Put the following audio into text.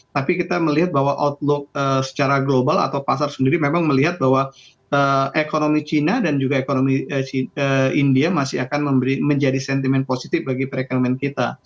tapi kita melihat bahwa outlook secara global atau pasar sendiri memang melihat bahwa ekonomi china dan juga ekonomi india masih akan menjadi sentimen positif bagi perekonomian kita